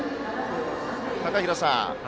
高平さん